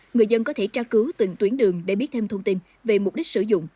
người dân có thể tra cứu từng tuyến đường để biết thêm thông tin về mục đích sử dụng